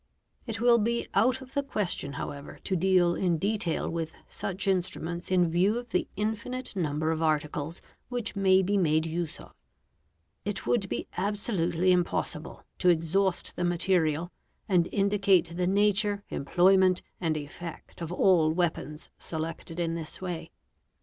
It will be out of the question however to deal in detail with such instruments in view of the infinite ~ number of articles which may be made use of; it would be absolutely im |; ossible to exhaust the material and indicate the nature, employment, and effect of all weapons selected in this way.